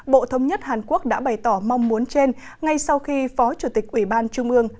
bộ thống nhất hàn quốc đã bày tỏ mong muốn trên ngay sau khi phó chủ tịch ủy ban trung ương